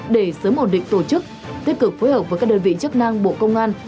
để sớm ổn định tổ chức tích cực phối hợp với các đơn vị chức năng bộ công an